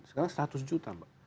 sekarang seratus juta mba